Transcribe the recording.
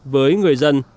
với người dân